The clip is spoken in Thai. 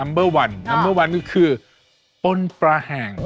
นัมเบอร์วันนัมเบอร์วันคือคือปล้นปลาแห่ง